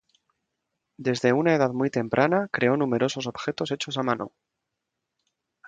Desde una edad muy temprana creó numerosos objetos hechos a mano.